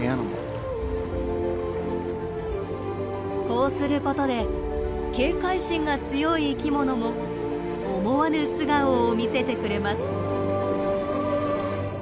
こうすることで警戒心が強い生きものも思わぬ素顔を見せてくれます。